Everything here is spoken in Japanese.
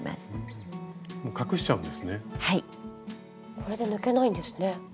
これで抜けないんですね。